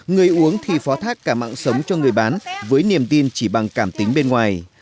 người uống thì phó thác cả mạng sống cho người bán với niềm tin chỉ bằng cảm tính bên ngoài